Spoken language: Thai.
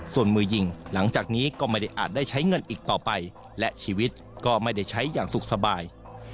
ส่วนมือยิงหลังจากนี้ก็ไม่ได้อาจได้ใช้เงินอีกต่อไปและชีวิตก็ไม่ได้ใช้อย่างสุขสบาย